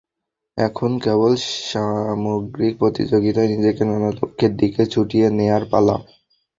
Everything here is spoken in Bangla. এখন কেবল সামগ্রিক প্রতিযোগিতায় নিজেকে নানা লক্ষ্যের দিকে ছুটিয়ে নেওয়ার পালা।